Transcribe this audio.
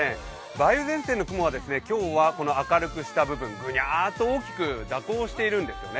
梅雨前線の雲は今日はこの明るくした部分ぐにゃと大きく蛇行をしているんですね。